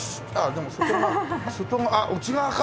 でも外側あっ内側か！